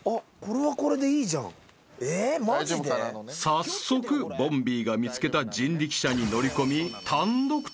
［早速ボンビーが見つけた人力車に乗り込み］